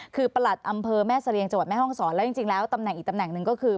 คือประหลัดอำเภอแม่เสรียงจังหวัดแม่ห้องศรแล้วจริงแล้วตำแหน่งอีกตำแหน่งหนึ่งก็คือ